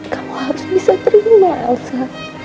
kamu harus bisa terima elsa